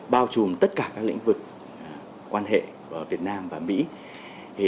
bao trùm tất cả các lĩnh vực quan hệ việt nam và mỹ